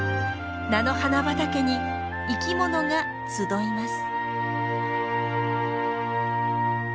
菜の花畑に生きものが集います。